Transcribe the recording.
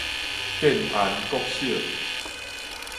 建安國小